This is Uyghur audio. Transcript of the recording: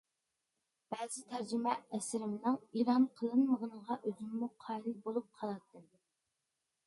بەزى تەرجىمە ئەسىرىمنىڭ ئېلان قىلىنمىغىنىغا ئۆزۈممۇ قايىل بولۇپ قالاتتىم.